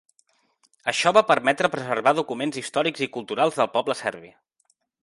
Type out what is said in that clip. Això va permetre preservar documents històrics i culturals del poble serbi.